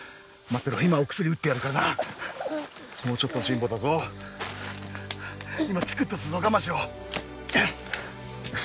てろ今お薬打ってやるからなもうちょっとの辛抱だぞ今チクッとするぞ我慢しろよし